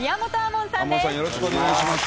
門さんよろしくお願いします。